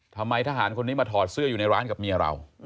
ทำไมทหารคนนี้มาถอดเสื้ออยู่ในร้านกับเมียเรา